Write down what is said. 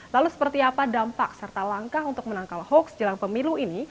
lalu seperti apa dampak serta langkah untuk menangkal hoax jelang pemilu ini